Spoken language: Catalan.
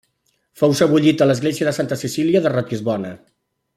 Fou sebollit a l'església de Santa Cecília de Ratisbona.